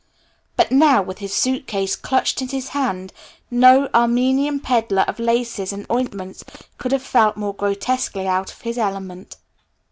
But now, with his suitcase clutched in his hand, no Armenian peddler of laces and ointments could have felt more grotesquely out of his element.